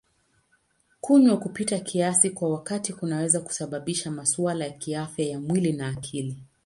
Kunywa kupita kiasi kwa wakati kunaweza kusababisha masuala ya kiafya ya mwili na akili.